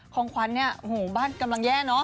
ของขวัญเนี่ยโอ้โหบ้านกำลังแย่เนาะ